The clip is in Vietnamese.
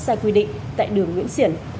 sai quy định tại đường nguyễn xiển